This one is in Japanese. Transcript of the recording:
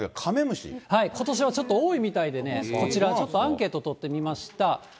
ことしはちょっと多いみたいでね、こちらちょっとアンケート取ってみました。